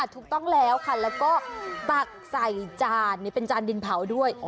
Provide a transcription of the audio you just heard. ถูกต้องแล้วค่ะแล้วก็ตักใส่จานเป็นจานดินเผาด้วย